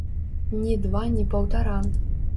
Ні два ні паўтара.